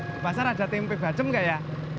di pasar ada tempe bacem ga ya